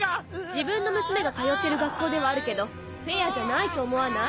自分の娘が通ってる学校ではあるけどフェアじゃないと思わない？